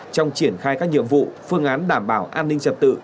trong triển khai các nhiệm vụ phương án đảm bảo an ninh trật tự